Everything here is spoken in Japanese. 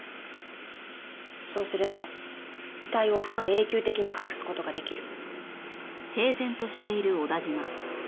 そうすれば遺体を半永久的に隠す事ができる。